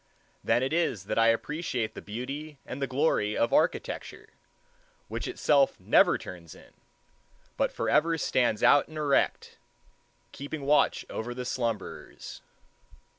Then it is that I appreciate the beauty and the glory of architecture, which itself never turns in, but forever stands out and erect, keeping watch over the slumberers.